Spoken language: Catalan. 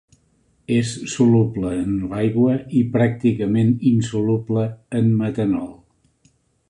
És soluble en l'aigua i pràcticament insoluble en metanol.